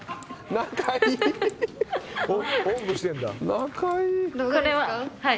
仲いい。